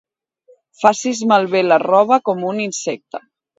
Facis malbé la roba com un insecte.